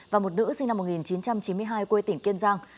và một nữ sinh năm một nghìn chín trăm chín mươi hai quê tỉnh kiên giang